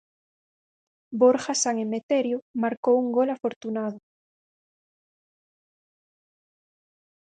Borja San Emeterio marcou un gol afortunado.